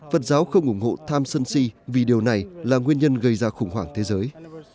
phật giáo không ủng hộ tham sơn si vì điều này là nguyên nhân gây ra khủng hoảng thế giới